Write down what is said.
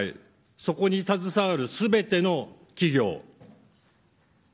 そこに携わる全ての企業